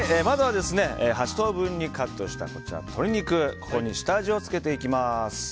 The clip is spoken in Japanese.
まずは８等分にカットした鶏肉ここに下味をつけていきます。